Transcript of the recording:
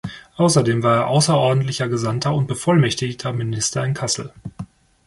Außerdem war er außerordentlicher Gesandter und bevollmächtigter Minister in Kassel.